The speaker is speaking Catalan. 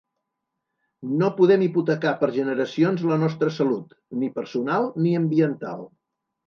No podem hipotecar per generacions la nostra salut, ni personal ni ambiental.